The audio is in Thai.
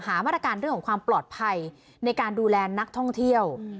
มาตรการเรื่องของความปลอดภัยในการดูแลนักท่องเที่ยว